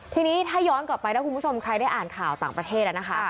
ทีนี้ถ้าย้อนกลับไปถ้าคุณผู้ชมใครได้อ่านข่าวต่างประเทศแล้วนะคะ